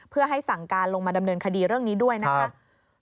เพื่อให้สั่งการลงมาดำเนินคดีเรื่องนี้ด้วยนะคะ